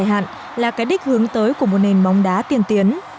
đó chẳng hạn là cái đích hướng tới của một nền bóng đá tiên tiến